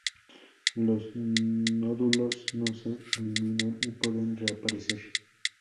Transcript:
Los nódulos no se eliminan y pueden reaparecer.